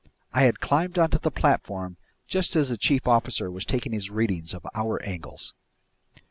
I had climbed onto the platform just as the chief officer was taking his readings of hour angles.